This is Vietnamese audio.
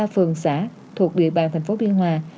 phường xã thuộc địa bàn thành phố biên hòa